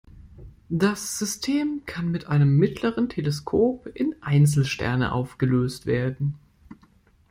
Das System kann mit einem mittleren Teleskop in Einzelsterne aufgelöst werden.